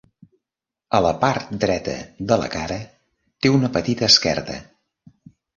A la part dreta de la cara té una petita esquerda.